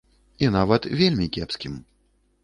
І нават вельмі кепскім.